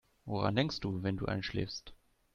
Woran denkst du, wenn du einschläfst?